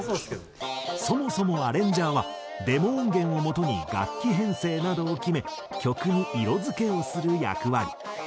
そもそもアレンジャーはデモ音源を基に楽器編成などを決め曲に色付けをする役割。